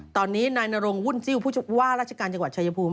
ตอนนี้นายนรงวุ่นซิลผู้ว่าราชการจังหวัดชายภูมิ